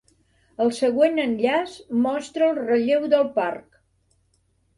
El següent enllaç mostra el relleu del parc.